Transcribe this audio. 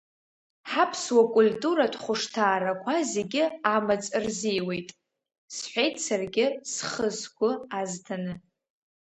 Ҳаԥсуа культуратә хәышҭаарақәа зегьы амаҵ рзиуеит, – сҳәеит саргьы схы-сгәы азҭаны.